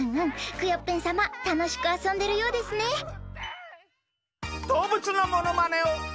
クヨッペンさまたのしくあそんでるようですね！のコーナー！